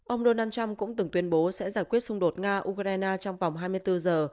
ông donald trump cũng từng tuyên bố sẽ giải quyết xung đột nga ukraine trong vòng hai mươi bốn giờ